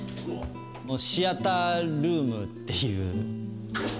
シアタールームっていう。